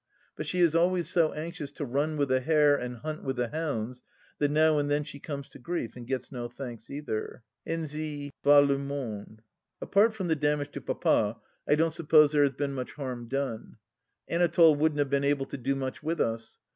But she is always so anxious to run with the hare and hunt with the hounds that now and then she comes to grief and gets no thanks either. Ainsi va le tnonde ! Apart from the damage to Papa, I don't suppose there has been much harm done. Anatole wouldn't have been able to do much with us.